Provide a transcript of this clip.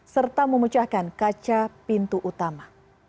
serta memecahkan kaca pintu utama